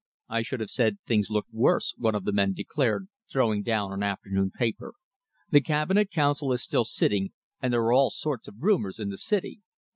"I should have said things looked worse," one of the men declared, throwing down an afternoon paper. "The Cabinet Council is still sitting, and there are all sorts of rumours in the city."